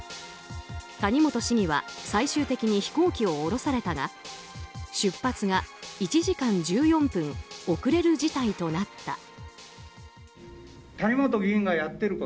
谷本市議は最終的に飛行機を降ろされたが出発が１時間１４分遅れる事態となった。